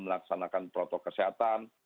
melaksanakan protokol kesehatan